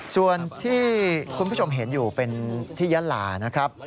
ส่วนที่คุณผู้ชมเห็นอยู่เป็นที่ยะลานะครับ